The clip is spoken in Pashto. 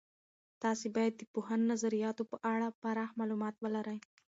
تاسې باید د پوهاند نظریاتو په اړه پراخ معلومات ولرئ.